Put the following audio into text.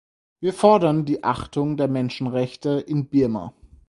Wir fordern die Achtung der Menschenrechte in Birma.